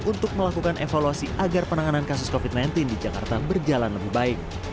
untuk melakukan evaluasi agar penanganan kasus covid sembilan belas di jakarta berjalan lebih baik